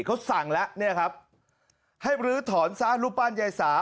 เขาสั่งแล้วเนี่ยครับให้บรื้อถอนซะรูปปั้นยายสา